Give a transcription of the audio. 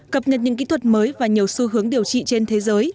cập nhật những kỹ thuật mới và nhiều xu hướng